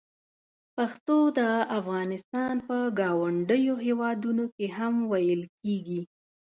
پښتو د افغانستان په ګاونډیو هېوادونو کې هم ویل کېږي.